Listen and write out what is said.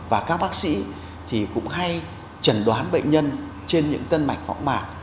và các bác sĩ thì cũng hay trần đoán bệnh nhân trên những tân mạch phóng mạc